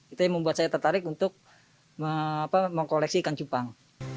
itu yang membuat saya tertarik untuk mengkoleksi ikan cupang